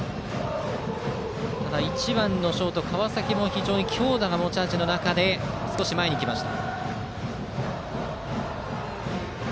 ただ、１番ショートの川崎も強打が持ち味の中で少し前に来ました。